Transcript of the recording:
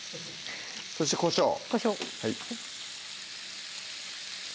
そしてこしょう